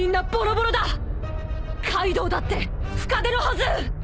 カイドウだって深手のはず！